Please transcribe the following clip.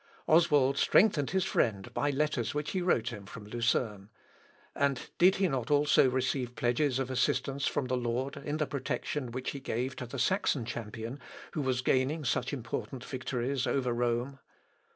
Oswald strengthened his friend by letters which he wrote him from Lucerne. And did he not also receive pledges of assistance from the Lord in the protection which He gave to the Saxon champion who was gaining such important victories over Rome?